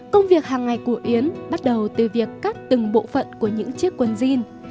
công việc hàng ngày của yến bắt đầu từ việc cắt từng bộ phận của những chiếc quần jean